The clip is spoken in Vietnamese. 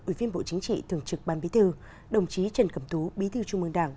ủy viên bộ chính trị thường trực ban bí thư đồng chí trần cẩm tú bí thư trung mương đảng